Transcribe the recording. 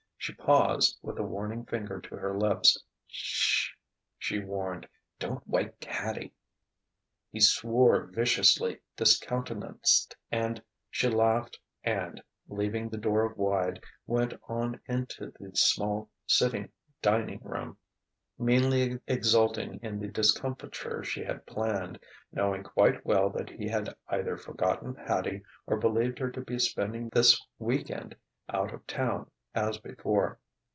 She paused, with a warning finger to her lips. "S sh!" she warned. "Don't wake Hattie!" He swore viciously, discountenanced; and she laughed and, leaving the door wide, went on into the small sitting dining room, meanly exulting in the discomfiture she had planned, knowing quite well that he had either forgotten Hattie or believed her to be spending this week end out of Town, as before.